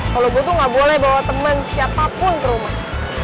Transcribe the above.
kalo gue tuh gak boleh bawa temen siapapun ke rumah